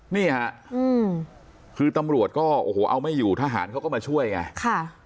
นี่ฮะอืมคือตำรวจก็โอ้โหเอาไม่อยู่ทหารเขาก็มาช่วยไงค่ะ